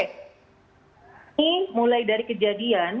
ini mulai dari kejadian